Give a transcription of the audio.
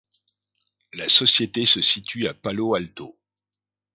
La société se situe à Palo Alto.